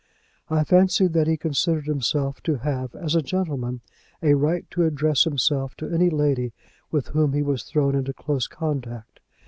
I fancy that he considered himself to have, as a gentleman, a right to address himself to any lady with whom he was thrown into close contact.